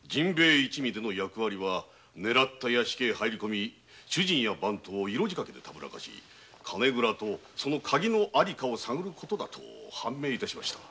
衛一味での役割は狙った屋敷に入り込み主人や番頭を色仕掛けで丸めこみ金蔵と鍵の場所を探る事だと判明致しました。